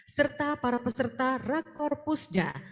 serta para peserta rekorpusda